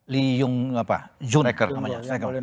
lee jung jun namanya